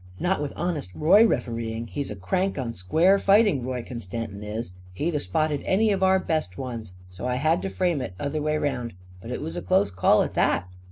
Not with Honest Roy refereeing. He's a crank on square fighting, Roy Constantin is. He'd 'a' spotted any of our best ones. So I had to frame it, other way round. But it was a close call, at that!"